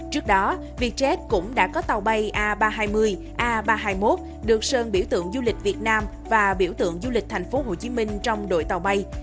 trước đó vietjet cũng đã có tàu bay a ba trăm hai mươi a ba trăm hai mươi một được sơn biểu tượng du lịch việt nam và biểu tượng du lịch thành phố hồ chí minh trong đội tàu bay